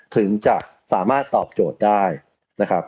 ถึงจะสามารถตอบโจทย์ได้นะครับ